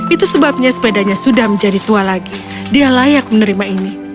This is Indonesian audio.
itu sebabnya sepedanya sudah menjadi tua lagi dia layak menerima ini